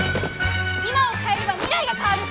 今を変えれば未来が変わる！